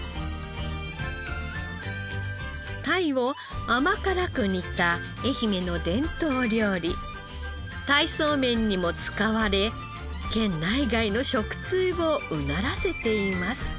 鯛を甘辛く煮た愛媛の伝統料理鯛そうめんにも使われ県内外の食通をうならせています。